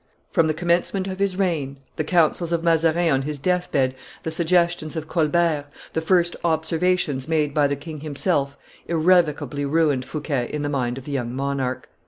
From the commencement of his reign, the counsels of Mazarin on his death bed, the suggestions of Colbert, the first observations made by the king himself, irrevocably ruined Fouquet in the mind of the young monarch.